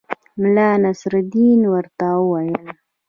ملا نصرالدین ورته وویل.